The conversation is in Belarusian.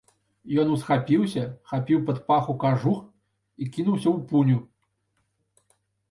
Ён усхапіўся, хапіў пад паху кажух і кінуўся ў пуню.